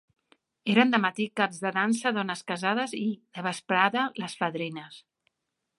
Eren de matí caps de dansa dones casades i, de vesprada, les fadrines.